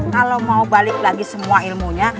kalau mau balik lagi semua ilmunya